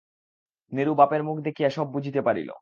নিরু বাপের মুখ দেখিয়া সব বুঝিতে পারিল।